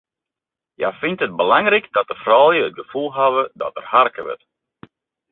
Hja fynt it belangryk dat de froulju it gefoel hawwe dat der harke wurdt.